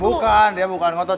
bukan dia bukan ngotot